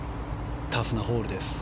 タフなホールです。